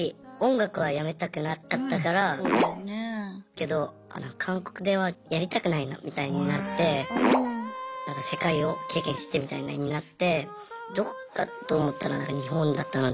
けど韓国ではやりたくないなみたいになって世界を経験してみたいなになってどこかと思ったら日本だったので。